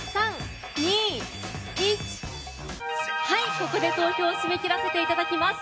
ここで投票締め切らせていただきます。